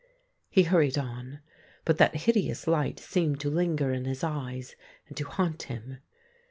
He hurried on, but that hideous light seemed to linger in his eyes and to haunt him.